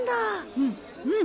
うんうん。